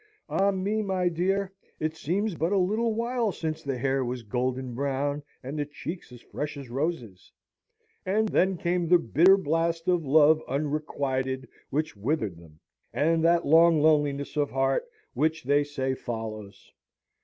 Ah me, my dear, it seems but a little while since the hair was golden brown, and the cheeks as fresh as roses! And then came the bitter blast of love unrequited which withered them; and that long loneliness of heart which, they say, follows.